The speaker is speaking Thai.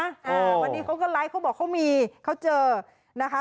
อ่าวันนี้เขาก็ไลฟ์เขาบอกเขามีเขาเจอนะคะ